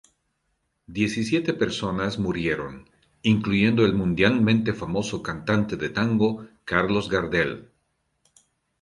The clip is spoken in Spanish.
Diez y siete personas murieron, incluyendo el mundialmente famoso cantante de tango Carlos Gardel.